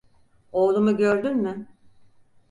Oğlumu gördün mü?